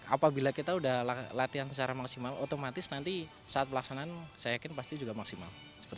apabila kita sudah latihan secara maksimal otomatis nanti saat pelaksanaan saya yakin pasti juga maksimal